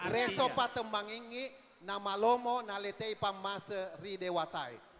resopa tembangingi nama lomo nalitei pam maltei dewatai